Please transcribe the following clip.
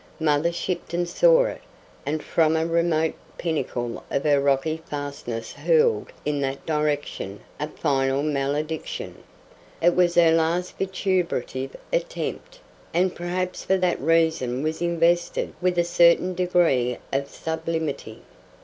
Mother Shipton saw it, and from a remote pinnacle of her rocky fastness hurled in that direction a final malediction. It was her last vituperative attempt, and perhaps for that reason was invested with a certain degree of sublimity.